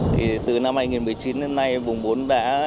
thì từ năm hai nghìn một mươi chín đến nay vùng bốn đã